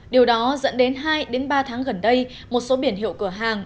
điều đó dẫn đến hai ba tháng gần đây một số biển hiệu cửa hàng